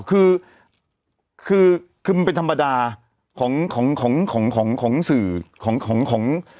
คือคือคือมันเป็นธรรมดาของของของของของสื่อของของของ